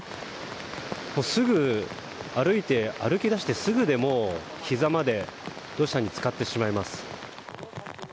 歩き出してすぐでも膝まで土砂に浸かってしまいます。